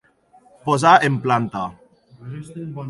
Posar en planta.